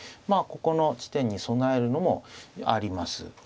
まあここの地点に備えるのもあります。